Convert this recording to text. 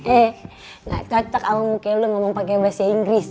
eh gak ketak alamu kaya lo ngomong pake bahasa inggris